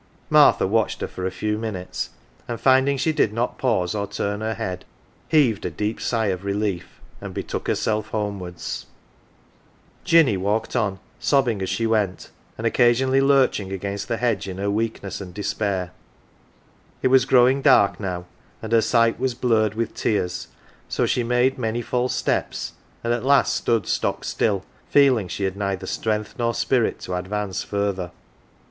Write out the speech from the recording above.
Martha watched her for a fcw minutes, and, finding she did not pause or turn her head, heaved a deep sigh of relief and betook herself homewards. 163 AUNT JINNY Jinny walked on, sobbing as she went, and occasionally lurching against the hedge in her weakness and despair. It was growing dark now, and her sight was blurred with tears, so she made many false steps, and at last stood stock still, feeling she had neither strength nor .spirit to advance further.